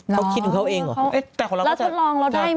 เขาคิดถึงเขาเองเหรอแต่ของเราก็จะรัฐธรรมเราได้ไหมครับ